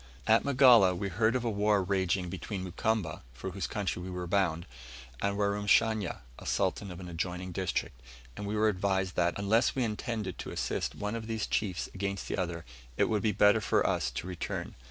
At Magala we heard of a war raging between Mukamba, for whose country we were bound, and Warumashanya, a Sultan of an adjoining district; and we were advised that, unless we intended to assist one of these chiefs against the other, it would be better for us to return.